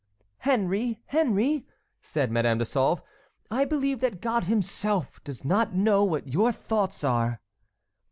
"Henry! Henry!" said Madame de Sauve, "I believe that God himself does not know what your thoughts are."